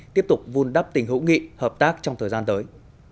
tiếp tục vun đắp tình hữu nghị hợp tác trong thời gian tới